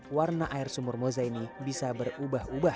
warna air sumur moza ini bisa berubah ubah